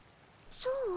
そう？